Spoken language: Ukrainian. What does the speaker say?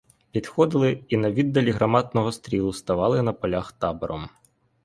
Підходили і на віддалі гарматного стрілу ставали на полях табором.